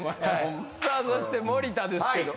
さあそして森田ですけど。